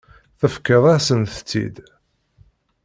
Tefkiḍ-asent-tt-id.